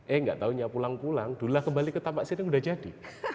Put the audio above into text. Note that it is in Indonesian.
eh enggak tahunya pulang pulang dulah kembali ke tampak siring udah jadi